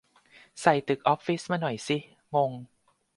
ใส่ตึกออฟฟิศมาหน่อยสิ งง